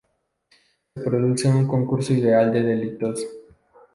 Se produce un concurso ideal de delitos.